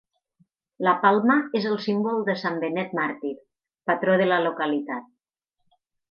La palma és el símbol de Sant Benet Màrtir, patró de la localitat.